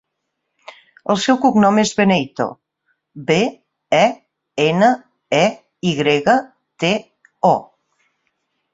El seu cognom és Beneyto: be, e, ena, e, i grega, te, o.